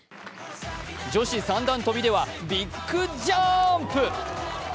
女子三段跳ではビッグジャンプ！